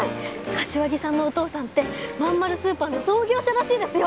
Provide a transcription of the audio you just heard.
柏木さんのお父さんってまんまるスーパーの創業者らしいですよ！